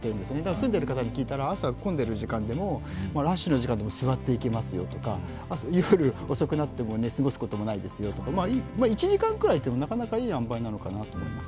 住んでいる方に聞いたら朝混んでいる時間ラッシュの時間でも座っていけますよとか、遅くなっても寝過ごすことないですよとか、１時間くらいというのは、なかなかいい按配なのかなと思います。